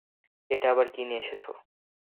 এটা আবার কি নিয়ে এসেছো?